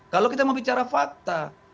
kalau kita mau bicara fakta